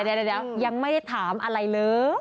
เดี๋ยวยังไม่ได้ถามอะไรเลย